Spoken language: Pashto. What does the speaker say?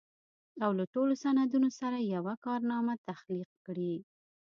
او له ټولو سندونو سره يوه کارنامه تخليق کړي.